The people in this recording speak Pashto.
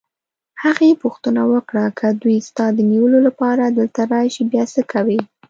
هغې پوښتنه وکړه: که دوی ستا د نیولو لپاره دلته راشي، بیا څه کوې؟